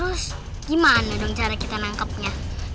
terus gimana dong cara kita nangkepnya